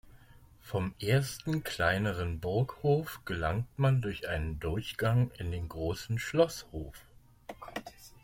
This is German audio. Vom ersten kleineren Burghof gelangt man durch einen Durchgang in den großen Schlosshof.